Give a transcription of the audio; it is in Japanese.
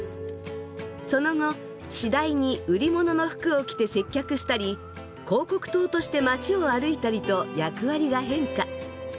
その後次第に売り物の服を着て接客したり広告塔として町を歩いたりと役割が変化。